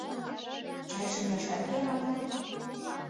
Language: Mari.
Чай шындашат йӧра мо?